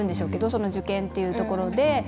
その受験というところで。